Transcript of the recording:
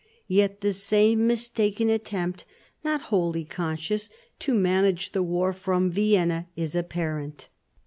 Yet the same mis taken attempt, not wholly conscious, to manage the war \S / from Vienna is apparent.